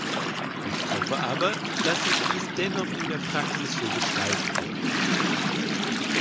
Ich hoffe aber, dass sich dies dennoch in der Praxis so gestalten wird.